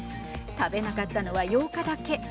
食べなかったのは８日だけ。